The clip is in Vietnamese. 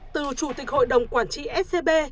từ chủ tịch hội đồng quản trị scb